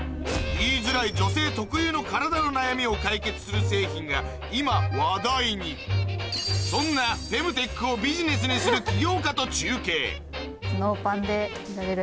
言いづらい女性特有の体の悩みを解決する製品が今話題にそんなフェムテックをビジネスにするへぇ。